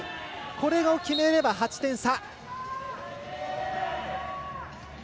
これを決めれば８点差。